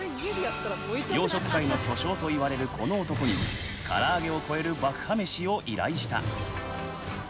洋食界の巨匠といわれるこの男に唐揚げを超える爆破メシを依頼した。